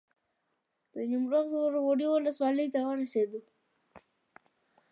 د نیمروز غور غوري ولسوالۍ ته ورسېدو.